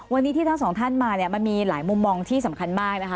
วันนี้ที่ทั้งสองท่านมาเนี่ยมันมีหลายมุมมองที่สำคัญมากนะคะ